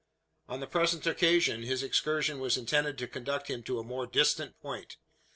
On the present occasion, his excursion was intended to conduct him to a more distant point.